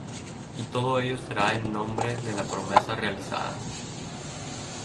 Y todo ello será en nombre de la promesa realizada.